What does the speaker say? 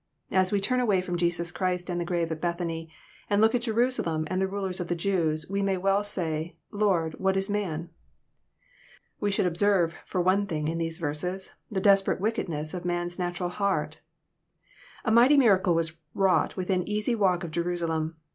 As we turn away from Jesus Christ and the grave at Bethany, and look at Jerusalem and the rulers of the Jews, we may well say, *' Lord, what is man ?" We, should observe, for one thing, in these verses, tha desperate wickedness of man*s naturcd heart. A mighty miracle was wrought within an easy walk of Jerusalem.